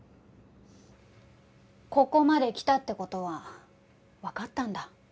ここまで来たって事はわかったんだ